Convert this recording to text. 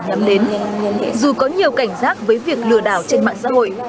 năm đến dù có nhiều cảnh giác với việc lừa đảo trên mạng xã hội